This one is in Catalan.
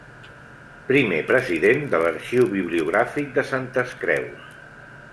Primer president de l'Arxiu Bibliogràfic de Santes Creus.